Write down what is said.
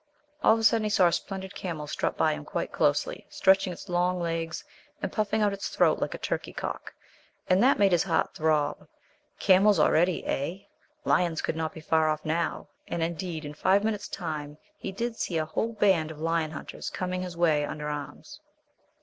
All of a sudden he saw a splendid camel strut by him quite closely, stretching its long legs and puffing out its throat like a turkey cock, and that made his heart throb. Camels already, eh? Lions could not be far Off now; and, indeed, in five minutes' time he did see a whole band of lion hunters coming his way under arms.